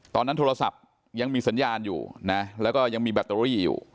โทรศัพท์ยังมีสัญญาณอยู่นะแล้วก็ยังมีแบตเตอรี่อยู่